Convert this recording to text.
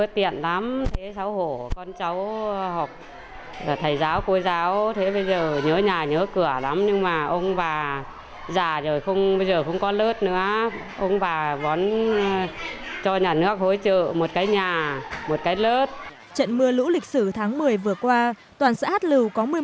trận mưa lũ lịch sử tháng một mươi vừa qua toàn xã hát lưu có một mươi một triệu đồng